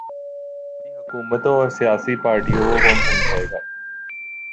ہماری حکومتوں اور سیاسی پارٹیوں کو کون سمجھائے گا۔